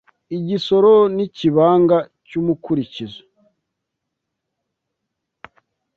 Igisoro n' Ikibanga cy’umukurikizo